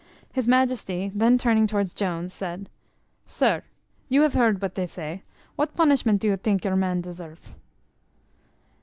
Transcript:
His majesty, then turning towards Jones, said, "Sir, you have hear what dey say; what punishment do you tink your man deserve?"